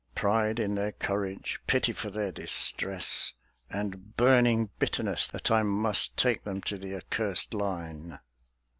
Pride in their courage; pity for their distress; And burning bitterness That I must take them to the accursed Line.